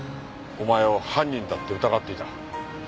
お前を犯人だって疑っていた。